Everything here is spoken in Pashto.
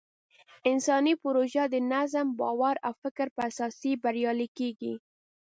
انساني پروژې د نظم، باور او فکر په اساس بریالۍ کېږي.